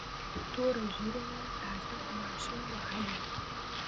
توره ږیره یې تازه په ماشین وهلې وه.